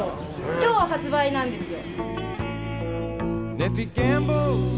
今日発売なんですよ。